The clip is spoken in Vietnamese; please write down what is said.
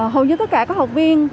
hầu như tất cả các học viên